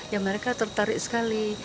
ya mereka tertarik sekali